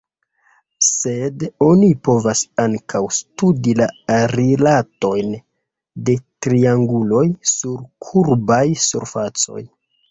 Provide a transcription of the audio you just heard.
Sed oni povas ankaŭ studi la rilatojn de trianguloj sur kurbaj surfacoj.